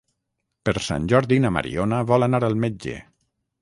Per Sant Jordi na Mariona vol anar al metge.